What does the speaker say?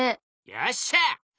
よっしゃ！